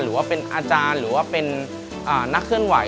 หรือว่าเป็นอาจารย์หรือว่าเป็นนักเคลื่อนไหว